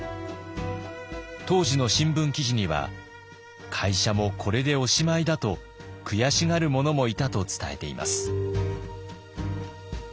当時の新聞記事には会社もこれでおしまいだと悔しがる者もいたと伝えています。